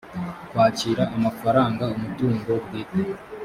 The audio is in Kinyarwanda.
kwakira amafaranga umutungo bwit